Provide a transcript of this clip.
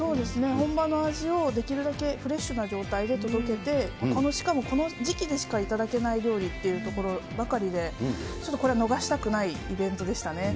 本場の味をできるだけフレッシュな状態で届けて、しかもこの時期でしか頂けない料理っていうところばかりで、ちょっとこれは逃したくないイベントでしたね。